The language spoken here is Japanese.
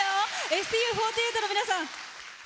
ＳＴＵ４８の皆さん。